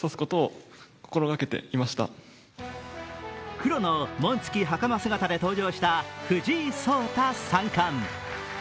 黒の紋付袴姿で登場した藤井聡太三冠。